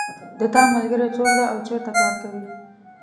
د تا ملګری څوک ده او چېرته کار کوي